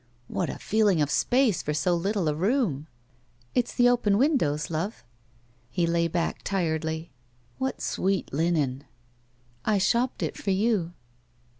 What a feeling of space for so little a rooni!" It's the open windows, love." He lay back tiredly. What sweet linen!" I shopped it for you."